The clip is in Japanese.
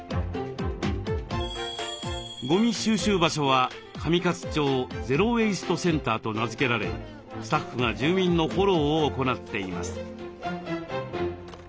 ゴミ収集場所は「上勝町ゼロ・ウェイストセンター」と名付けられスタッフが住民のフォローを行っています。